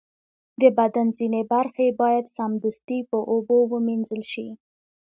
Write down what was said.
د بدن ځینې برخې باید سمدستي په اوبو ومینځل شي.